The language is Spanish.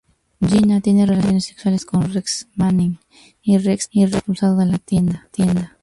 Gina tiene relaciones sexuales con Rex Manning, y Rex es expulsado de la tienda.